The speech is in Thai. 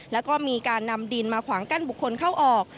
แล้วก็มีการนำดินมาขวางกั้นบุคคลเข้าออก